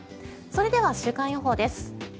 それでは週間予報です。